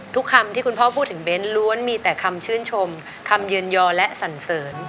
คำที่คุณพ่อพูดถึงเบ้นล้วนมีแต่คำชื่นชมคำยืนยอและสั่นเสริญ